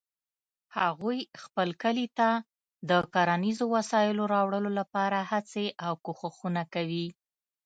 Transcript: هغوی خپل کلي ته د کرنیزو وسایلو راوړلو لپاره هڅې او کوښښونه کوي